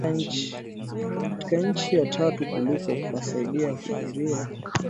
katika nchi ya tatu kuliko kuwasaidia kurejea kupitia mpaka wa Thailand-Myanmar kisheria alisema